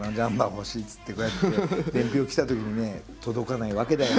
欲しいっつってこうやって伝票来たときにね届かないわけだよ。